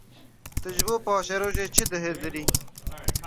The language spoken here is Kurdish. Tu ji bo paşerojê çi dihizirî?